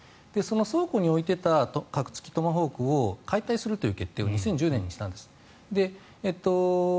倉庫に置いていた核付きトマホークを解体するという決断を２０１０年にしたんです。